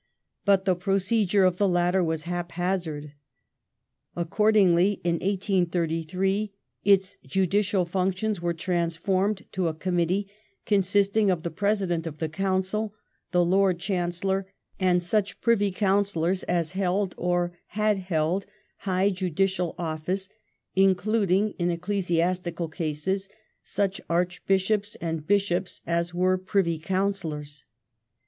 But the procedui*e of the latter was hap 1833] THE FIRST EDUCATION GRANT 105 hazard. Accordingly in 1833 its judicial functions were trans formed to a Committee consisting of the President of the Council, the Lord Chancellor, and such Privy Councillors as held or had held high judicial office, including, in ecclesiastical cases, such Archbishops and Bishops as were Privy Councillors.